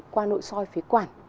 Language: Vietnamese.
qua nội soi phía quản